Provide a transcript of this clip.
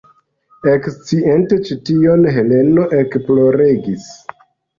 Eksciinte ĉi tion, Heleno ekploregis.